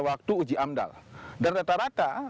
waktu uji amdal dan rata rata